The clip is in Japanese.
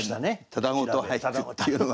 ただごとっていうのが。